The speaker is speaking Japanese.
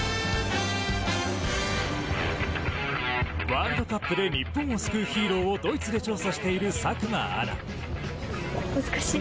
ワールドカップで日本を救うヒーローをドイツで調査している佐久間アナ。